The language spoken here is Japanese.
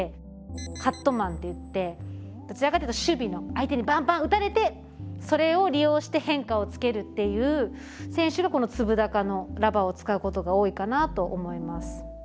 カットマンっていってどちらかというと守備の相手にバンバン打たれてそれを利用して変化をつけるっていう選手がこの粒高のラバーを使うことが多いかなと思います。